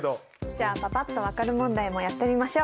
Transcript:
じゃあパパっと分かる問題もやってみましょう。